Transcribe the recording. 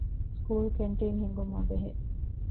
ސްކޫލް ކެންޓީން ހިންގުމާއި ބެހޭ